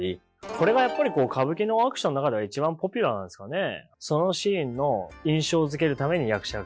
それがやっぱり歌舞伎のアクションの中では一番ポピュラーなんですかね。